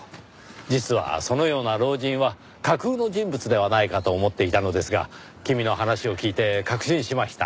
実はそのような老人は架空の人物ではないかと思っていたのですが君の話を聞いて確信しました。